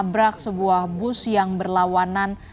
menabrak sebuah bus yang berlawanan